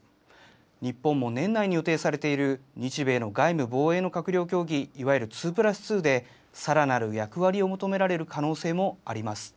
日本も年内に予定されている日米の外務・防衛の閣僚協議、いわゆる２プラス２で、さらなる役割を求められる可能性もあります。